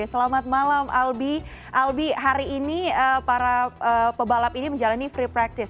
selamat malam albi albi hari ini para pebalap ini menjalani free practice